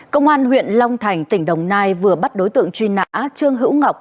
công an huyện long thành tỉnh đồng nai vừa bắt đối tượng truy nã trương hữu ngọc